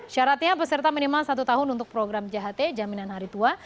syaratnya peserta minimal satu tahun untuk program jht jaminan hari tua